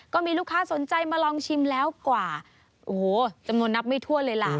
ก็มีลูกค้าสนใจมาลองชิมแล้วกว่าโอ้โหจำนวนนับไม่ทั่วเลยล่ะ